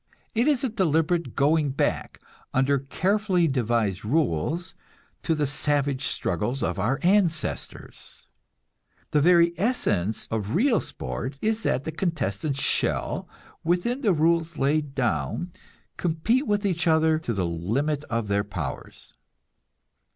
It is a deliberate going back, under carefully devised rules, to the savage struggles of our ancestors. The very essence of real sport is that the contestants shall, within the rules laid down, compete with each other to the limit of their powers.